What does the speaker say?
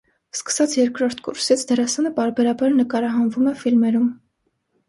Սկսած երկրորդ կուրսից՝ դերասանը պարբերաբար նկարահանվում է ֆիլմերում։